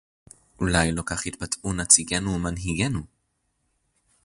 אולי לא כך התבטאו נציגינו ומנהיגינו